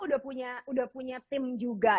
udah punya udah punya tim juga